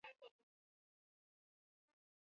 Kijana huyu ni adui wangu kwa kuwa ana maringo.